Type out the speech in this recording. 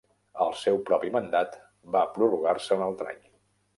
El seu propi mandat va prorrogar-se un altre any.